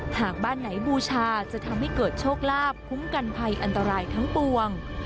หากบ้านไหนบูชาจะทำให้เกิดโชคลาภคุ้มกันภัยอันตรายทั้งปวง